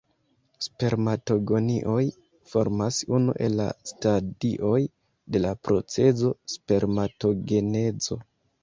Spermatogonioj formas unu el la stadioj de la procezo spermatogenezo.